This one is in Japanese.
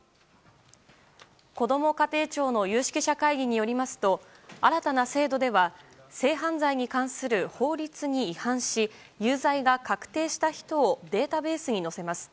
こども家庭庁の有識者会議によりますと新たな制度では性犯罪に関する法律に違反し有罪が確定した人をデータベースに載せます。